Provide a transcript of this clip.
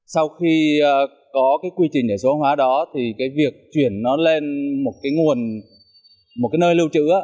sau khi có quy trình để số hóa đó thì việc chuyển nó lên một nơi lưu trữ